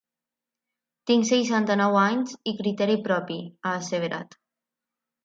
Tinc seixanta-nou anys i criteri propi, ha asseverat.